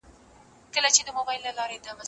اګوست کنت په قوانینو باور درلود.